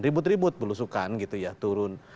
ribut ribut belusukan gitu ya turun